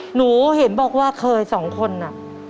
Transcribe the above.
หนูเห็นบอกว่าเคยสองคนน่ะ